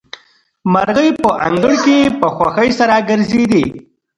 مرغۍ په انګړ کې په خوښۍ سره ګرځېدې.